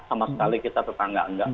sama sekali kita tetangga enggak